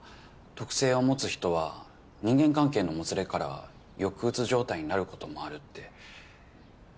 特性を持つ人は人間関係のもつれから抑うつ状態になることもあるって。